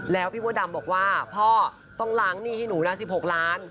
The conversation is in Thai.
แล้วพี่มดดำบอกว่าพ่อต้องล้างหนี้ให้หนูนะ๑๖ล้าน